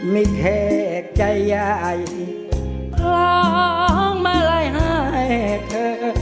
ไม่เคยใจใหญ่ร้องมาไล่หายเธอ